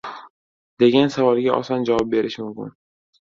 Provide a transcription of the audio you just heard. degan savolga oson javob berish mumkin.